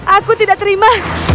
aku tidak terima